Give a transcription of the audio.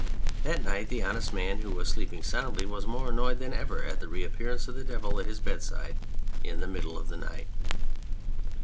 That night the Honest Man, who was sleeping soundly, was more annoyed than ever at the re appearance of the Devil at his bedside in the middle of the night.